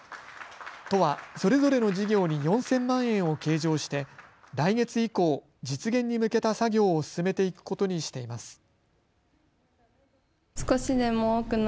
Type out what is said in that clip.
都はそれぞれの事業に４０００万円を計上して来月以降、実現に向けた作業を進めていくことにしています。